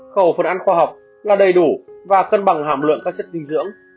khẩu phần ăn khoa học là đầy đủ và cân bằng hàm lượng các chất dinh dưỡng